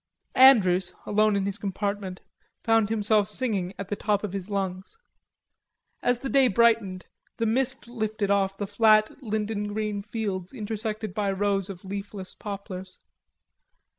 Andrews, alone in the compartment, found himself singing at the top of his lungs. As the day brightened the mist lifted off the flat linden green fields intersected by rows of leafless poplars.